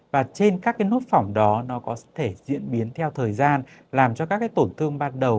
và trên các cái nốt phỏng đó nó có thể diễn biến theo thời gian làm cho các cái tổn thương ban đầu